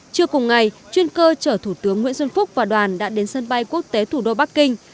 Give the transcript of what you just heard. trưa cùng ngày chuyên cơ chở thủ tướng nguyễn xuân phúc và đoàn đã đến sân bay quốc tế thủ đô bắc kinh